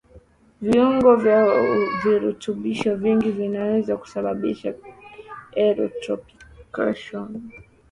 Viwango vya virutubisho vingi inaweza kusababisha Eutrophication